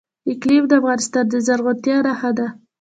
اقلیم د افغانستان د زرغونتیا نښه ده.